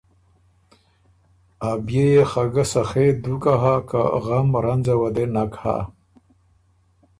ا بيې يې خه ګۀ سخے دوکه هۀ که غم رنځه وه دې نک هۀ